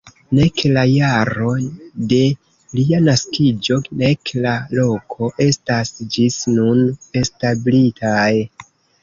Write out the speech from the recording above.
Nek la jaro de lia naskiĝo, nek la loko estas ĝis nun establitaj.